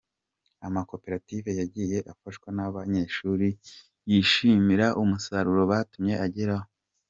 Amakoperative yagiye afashwa n’aba banyeshuri yishimira umusaruro batumye ageraho.